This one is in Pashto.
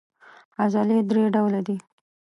عضلې درې ډوله دي.